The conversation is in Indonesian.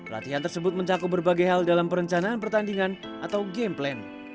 latihan tersebut mencakup berbagai hal dalam perencanaan pertandingan atau game plan